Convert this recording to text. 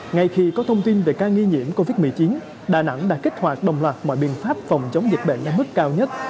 ngay khi có thông tin về ca nghi nhiễm covid một mươi chín đà nẵng đã kích hoạt đồng loạt mọi biện pháp phòng chống dịch bệnh ở mức cao nhất